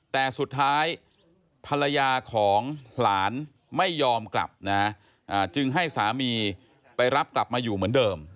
แต่สุดท้ายภรรยาของหลานไม่ยอมกลับนะจึงให้สามีไปรับกลับมาอยู่เหมือนเดิม